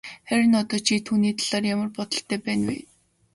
Харин одоо чи түүний талаар ямар бодолтой байна вэ?